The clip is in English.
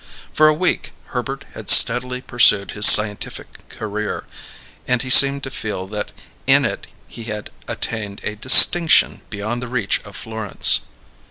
For a week Herbert had steadily pursued his scientific career, and he seemed to feel that in it he had attained a distinction beyond the reach of Florence.